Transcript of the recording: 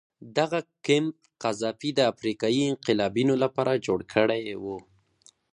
دغه کمپ قذافي د افریقایي انقلابینو لپاره جوړ کړی و.